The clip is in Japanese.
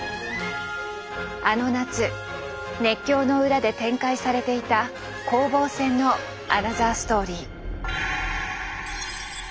あの夏熱狂の裏で展開されていた攻防戦のアナザーストーリー。